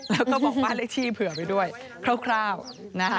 แล้วก็บอกบ้านเลขที่เผื่อไปด้วยคร่าวนะคะ